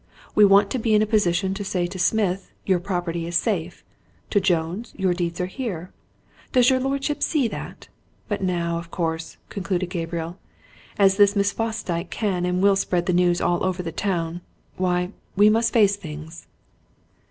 We want to be in a position to say to Smith, 'Your property is safe!'; to Jones, 'Your deeds are here!' Does your lordship see that? But now, of course," concluded Gabriel, "as this Miss Fosdyke can and will spread the news all over the town why, we must face things."